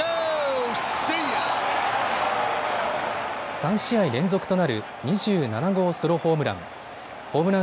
３試合連続となる２７号ソロホームラン。